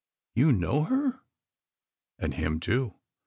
"You know her?" "And him too.